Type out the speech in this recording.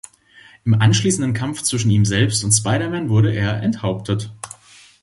Im anschließenden Kampf zwischen ihm selbst und Spider-Man wurde er enthauptet.